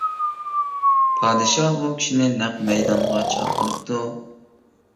پادىشاھ ئۇ كىشىنى نەق مەيدانغا چاقىرىپتۇ.